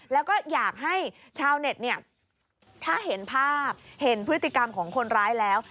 แล้วก็อยากให้ชาวเน็ตเนี่ยถ้าเห็นภาพเห็นพฤติกรรมของคนร้ายแล้ว